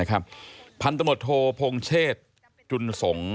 ที่มันก็มีเรื่องที่ดิน